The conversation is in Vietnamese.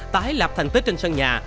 tái lập thành tích trên sân nhà